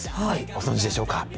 ご存じでしょうか。